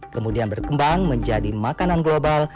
kemudian berkembang menjadi makanan global